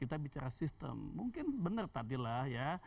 kita bicara sistem mungkin benar tadilah ya